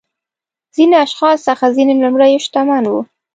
دې اشخاصو څخه ځینې لومړيو شتمن وو.